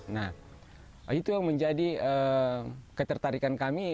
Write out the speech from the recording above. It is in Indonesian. nah itu yang menjadi ketertarikan kami